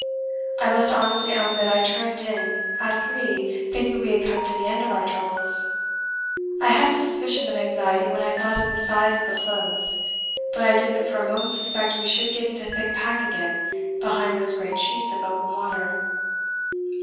I must honestly own that I turned in at three thinking we had come to the end of our troubles; I had a suspicion of anxiety when I thought of the size of the floes, but I didn't for a moment suspect we should get into thick pack again behind those great sheets of open water.